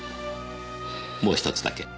もうひとつだけ。